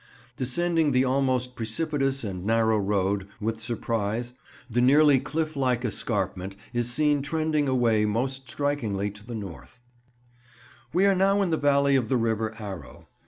Descending the almost precipitous and narrow road with surprise, the nearly cliff like escarpment is seen trending away most strikingly to the north. [Picture: "Papist Wixford"] We are now in the valley of the river Arrow.